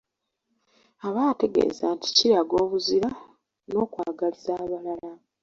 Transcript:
Abategeeza nti kiraga obuzira n'okwagaliza abalala.